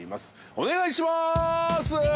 ◆お願いします。